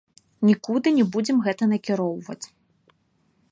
Нікуды не будзем гэта накіроўваць.